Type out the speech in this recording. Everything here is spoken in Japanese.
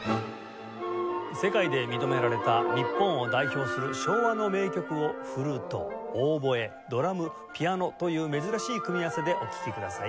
世界で認められた日本を代表する昭和の名曲をフルートオーボエドラムピアノという珍しい組み合わせでお聴きください。